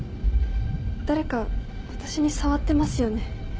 誰か私に触ってますよね？